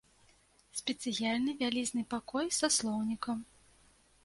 Спецыяльны вялізны пакой са слоўнікам.